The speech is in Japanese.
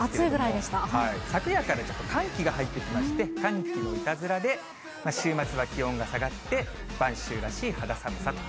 昨夜から、ちょっと寒気が入ってきまして、寒気のいたずらで、週末は気温が下がって、晩秋らしい肌寒さと。